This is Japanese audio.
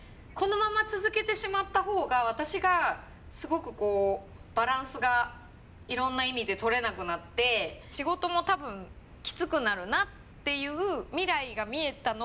このまま続けてしまった方が私がすごくこうバランスがいろんな意味でとれなくなって仕事も多分きつくなるなっていう未来が見えたのが一番怖かったんで。